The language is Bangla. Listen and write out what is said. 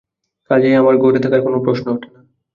কাজেই আমার ঘরে থাকার প্রশ্ন ওঠে না।